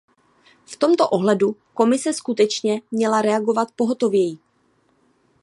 V tomto ohledu Komise skutečně měla reagovat pohotověji.